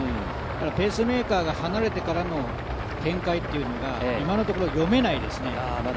ペースメーカーが離れてからの展開というのが今のところ読めないですね。